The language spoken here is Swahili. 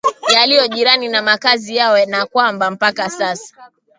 yaliyo jirani na makazi yao na kwamba mpaka sasa